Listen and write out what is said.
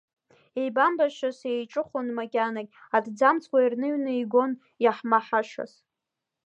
Еибамбашаз еиҿыхон макьанагь, аҭӡамцқәа ирныҩны игон иаҳмаҳашаз.